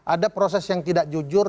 ada proses yang tidak jujur